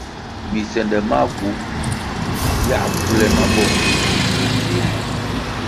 Bisende maku biā bvu le bo bur dzihri.